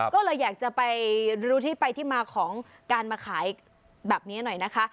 ก็เลยอยากจะไปรู้ที่ไปที่มาของการมาขายแบบนี้หน่อยนะคะ